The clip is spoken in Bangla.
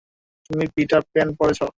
তুমি পিটার প্যান পড়েছ?